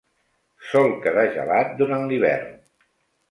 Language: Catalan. Sol quedar gelat durant l'hivern.